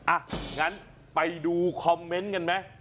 อ่ะงั้นไปดูคอมเมนต์กันไหม